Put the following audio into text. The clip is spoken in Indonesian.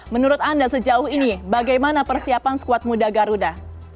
menurut anda sejauh ini bagaimana persiapan squad muda garuda